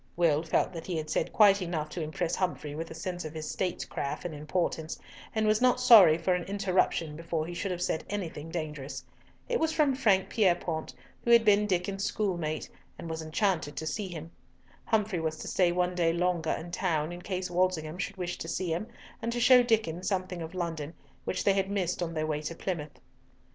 Will felt that he had said quite enough to impress Humfrey with a sense of his statecraft and importance, and was not sorry for an interruption before he should have said anything dangerous. It was from Frank Pierrepoint, who had been Diccon's schoolmate, and was enchanted to see him. Humfrey was to stay one day longer in town in case Walsingham should wish to see him, and to show Diccon something of London, which they had missed on their way to Plymouth.